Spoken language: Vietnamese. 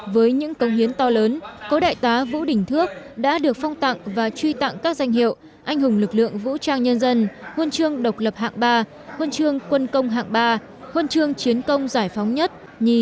với những công hiến to lớn cố đại tá vũ đình thước đã được phong tặng và truy tặng các danh hiệu anh hùng lực lượng vũ trang nhân dân huân chương độc lập hạng ba huân chương quân công hạng ba huân chương chiến công giải phóng nhất nhì ba và tám danh hiệu dũng sĩ diệt mỹ